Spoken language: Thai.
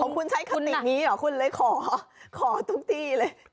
คุณใช้คำตินี้เหรอคุณเลยขอขอทุกที่เลย